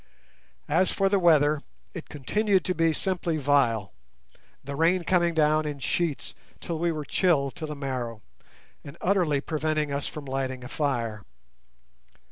As for the weather, it continued to be simply vile, the rain coming down in sheets till we were chilled to the marrow, and utterly preventing us from lighting a fire.